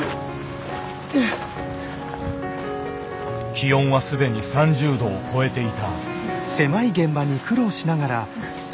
気温は既に３０度を超えていた。